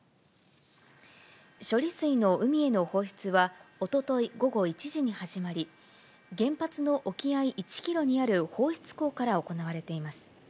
処理水の海への放出は、おととい午後１時に始まり、原発の沖合１キロにある放出口から行われています。